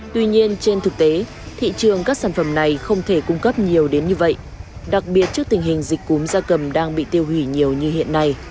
tuy nhiên trên thực tế thị trường các sản phẩm này không thể cung cấp nhiều đến như vậy đặc biệt trước tình hình dịch cúm da cầm đang bị tiêu hủy nhiều như hiện nay